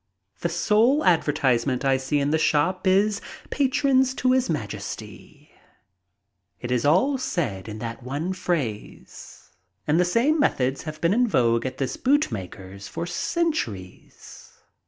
The sole advertisement I see in the shop is "Patrons to His Majesty." It is all said in that one phrase. And the same methods have been in vogue at this boot maker's for centuries.